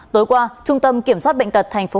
tối qua trung tâm kiểm soát bệnh tật tp hcm